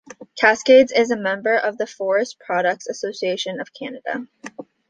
Cascades is a member of the Forest Products Association of Canada.